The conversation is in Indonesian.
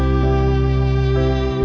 aku mau ke sana